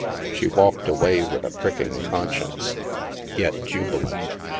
She walked away with a pricking conscience, yet 62 THE MASK ' jubilant.